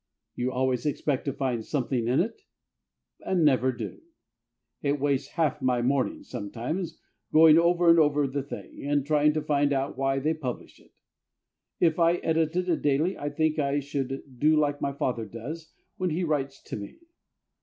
You always expect to find something in it, and never do. It wastes half my morning sometimes, going over and over the thing, and trying to find out why they publish it. If I edited a daily I think I should do like my father does when he writes to me.